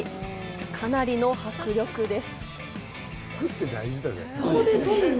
かなりの迫力です。